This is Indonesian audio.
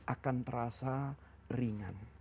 akan terasa ringan